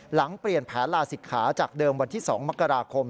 หลังเปลี่ยนแผนลาศิกขาจากเดิมวันที่๒มกราคม